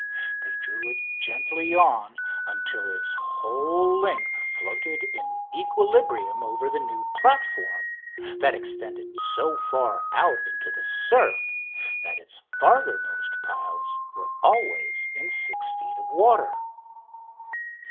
They drew it gently on until its whole length floated in equilibrium over the new platform that extended so far out into the surf that its farthermost piles were always in six feet of water.